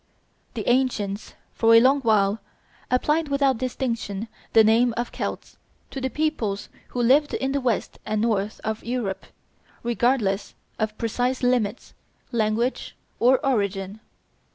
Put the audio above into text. The ancients for a long while applied without distinction the name of Celts to the peoples who lived in the west and north of Europe, regardless of precise limits, language, or origin.